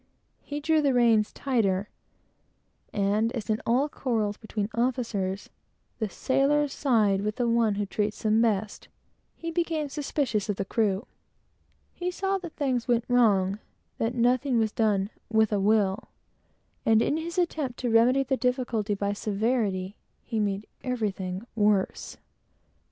He drew the reins tauter; and as, in all quarrels between officers, the sailors side with the one who treats them best, he became suspicious of the crew. He saw that everything went wrong that nothing was done "with a will;" and in his attempt to remedy the difficulty by severity, he made everything worse.